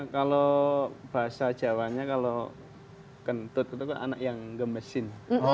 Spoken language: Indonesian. kalau bahasa jawanya kalau kentut itu kan anak yang gemesin